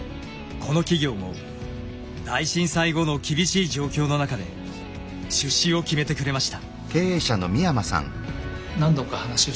この企業も大震災後の厳しい状況の中で出資を決めてくれました。